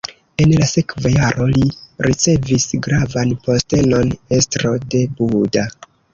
En la sekva jaro li ricevis gravan postenon: estro de Buda.